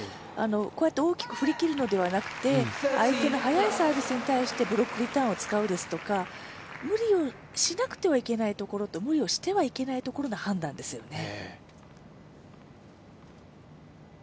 こうやって大きく振り切るのではなくて、相手の速いサービスに対してブロックリターンを使うですとか、無理をしなくてはいけないところと無理をしてはいけないところの判断ですよね。